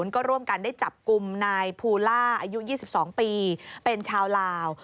ก็ร่วมกันได้จับกลุ่มนายภูล่าอายุ๒๒ปีเป็นชาวลาว